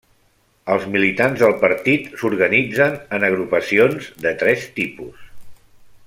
Els militants del partit s'organitzen en agrupacions de tres tipus: